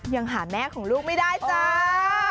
ยังหาแม่ของลูกไม่ได้จ้า